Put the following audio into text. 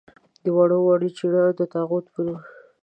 وړو وړو چڼیانو دې د طاغوت په نوم.